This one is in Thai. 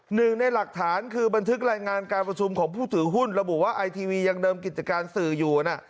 หนึ่งในหลักฐานคือบันทึกรายงานการประชุมของผู้ถือหุ้นระบุว่าไอทีวียังเดิมกิจการสื่ออยู่นะ